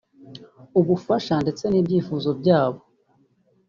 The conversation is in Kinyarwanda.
ubufasha ndetse n’ibyifuzo byabo